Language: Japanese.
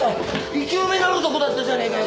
生き埋めになるとこだったじゃねえかよ！